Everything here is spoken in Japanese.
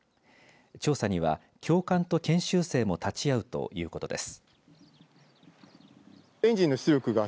調査には教官と研修生も立ち会うということです。